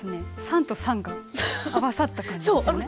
酸と酸が合わさった感じですよね。